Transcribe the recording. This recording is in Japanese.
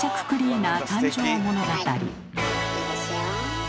はいいいですよ。